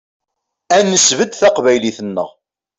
Ad nesbedd taqbaylit-nneɣ.